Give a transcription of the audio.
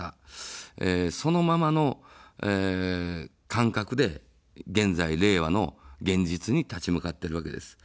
そのままの感覚で現在、令和の現実に立ち向かっているわけです。